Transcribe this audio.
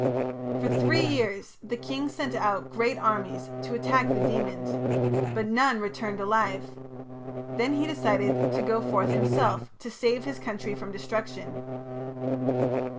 For three years the king sent out great armies to attack the demons, but "none returned alive". Then he decided to go forth himself to save his country from destruction.